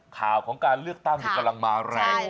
ข่าวของการเลือกสร้างที่กำลังมาแล้ว